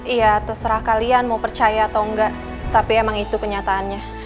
iya terserah kalian mau percaya atau enggak tapi emang itu kenyataannya